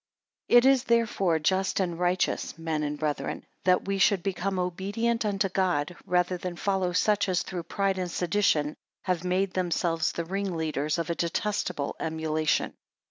7 It is, therefore, just and righteous, men and brethren, that we should become obedient unto God, rather than follow such as through pride and sedition, have made themselves the ring leaders of a detestable emulation.